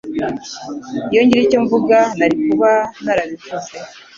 Iyo ngira icyo mvuga, nari kuba narabivuze.